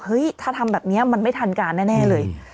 ถ้าทำแบบนี้มันไม่ทันการแน่เลย